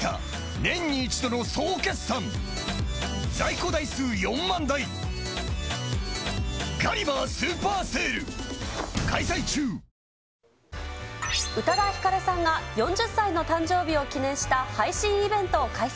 このあとは、宇多田ヒカルさんが４０歳の誕生日を記念した配信イベントを開催。